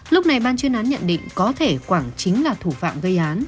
lúc này ban chuyên án nhận định có thể quảng chính là thủ phạm gây án